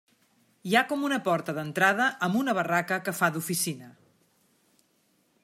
Hi ha com una porta d'entrada amb una barraca que fa d'oficina.